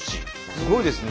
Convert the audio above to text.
すごいですね。